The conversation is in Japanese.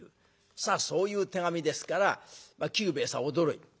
さあそういう手紙ですから久兵衛さん驚いた。